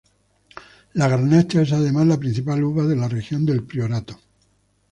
La Garnacha es además la principal uva de la región del Priorato.